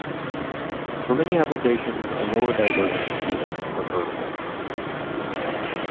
For many applications, a lower-divergence beam is preferable.